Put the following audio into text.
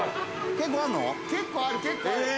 結構ある結構ある。